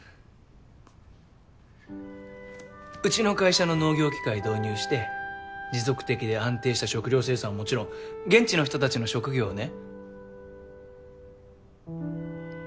うちの会社の農業機械導入して持続的で安定した食料生産はもちろん現地の人たちの職業をね。